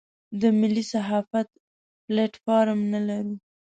د ملي صحافت پلیټ فارم نه لرو.